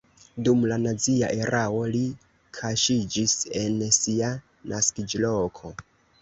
Dum la nazia erao li kaŝiĝis en sia naskiĝloko.